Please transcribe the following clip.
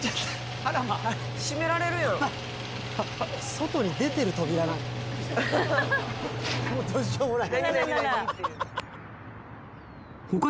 外に出てる扉なんだ